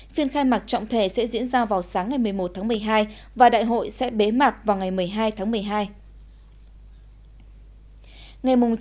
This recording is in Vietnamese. phiên khai mạc trọng thể sẽ diễn ra vào sáng ngày một mươi một tháng một mươi hai và đại hội sẽ bế mạc vào ngày một mươi hai tháng một mươi hai